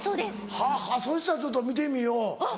はぁそしたらちょっと見てみよう。